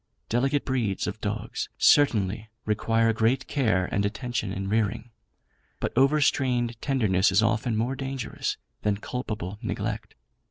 Delicate breeds of dogs certainly require great care and attention in rearing; but overstrained tenderness is often more dangerous than culpable neglect.